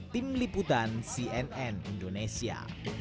tim liputan cnn indonesia